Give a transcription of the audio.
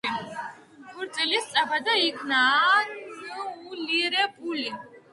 ქორწინება სწრაფად იქნა ანულირებული.